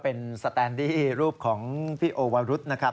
เป็นแบบแสดงดี้รูปของพี่โอวารุทนะครับ